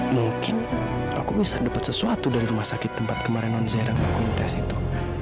mungkin aku bisa dapat sesuatu dari rumah sakit tempat kemarin non zero yang aku interes itu